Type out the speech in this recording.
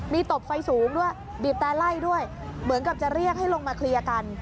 มีตบไฟสูงด้วยบีบแต่ไล่ด้วยเหมือนกับจะเรียกให้ลงมาเคลียร์กัน